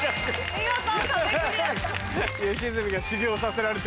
見事壁クリアです。